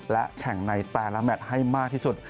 และแข่งในแต่ละแมทให้มากที่สุด